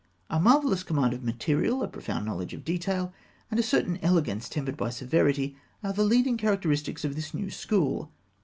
A marvellous command of material, a profound knowledge of detail, and a certain elegance tempered by severity, are the leading characteristics of this new school.